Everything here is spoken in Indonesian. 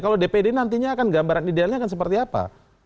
kalau dpd nantinya akan gambaran idealnya akan seperti apa